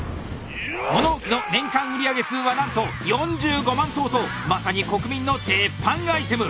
物置の年間売り上げ数はなんとまさに国民の鉄板アイテム！